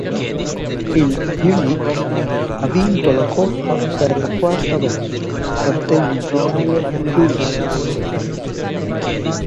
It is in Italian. Il Pyunik ha vinto la coppa per la quarta volta, battendo in finale l'Ulisses.